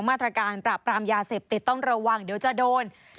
มาตรการปราบปรามยาเสพติดต้องระวังเดี๋ยวจะโดน